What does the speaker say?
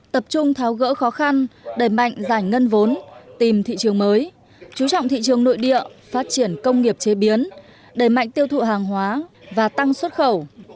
tập trung tháo gỡ khó khăn đẩy mạnh giải ngân vốn tìm thị trường mới chú trọng thị trường nội địa phát triển công nghiệp chế biến đẩy mạnh tiêu thụ hàng hóa và tăng xuất khẩu